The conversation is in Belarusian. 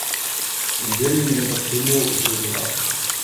Ён вельмі мяне падтрымліваў і перажываў.